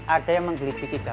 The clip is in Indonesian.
ada yang mengkritik kita